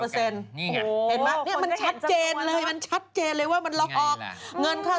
สวัสดีค่าข้าวใส่ไข่